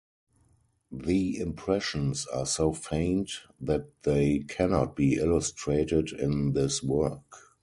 The impressions are so faint that they cannot be illustrated in this work.